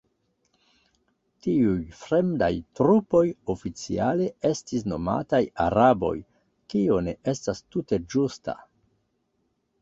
Tiuj fremdaj trupoj oficiale estis nomataj "araboj", kio ne estas tute ĝusta.